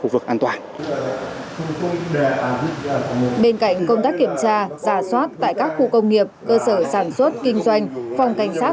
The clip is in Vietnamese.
bên cạnh công tác kiểm tra giả soát tại các khu công nghiệp cơ sở sản xuất kinh doanh phòng cảnh sát